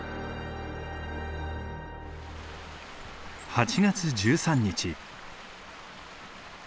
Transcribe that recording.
８月１３日。